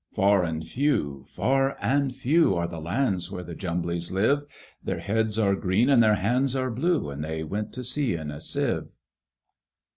Far and few, far and few, Are the lands where the Jumblies live; Their heads are green, and their hands are blue, And they went to sea in a Sieve.